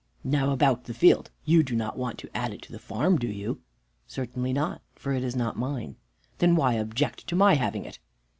"Now about the field you do not want to add it to the farm, do you?" "Certainly not, for it is not mine." "Then why object to my having it?"